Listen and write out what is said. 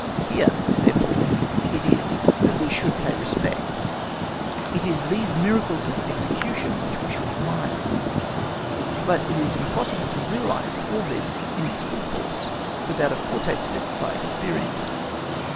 Here, therefore, it is that we should pay respect; it is these miracles of execution which we should admire. But it is impossible to realise all this in its full force without a foretaste of it by experience.